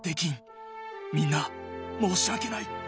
みんな申し訳ない！